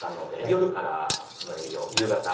夜からの営業夕方。